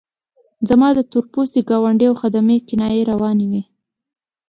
زما د تور پوستي ګاونډي او خدمې کنایې روانې وې.